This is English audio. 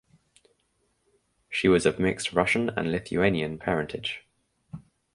She was of mixed Russian and Lithuanian parentage.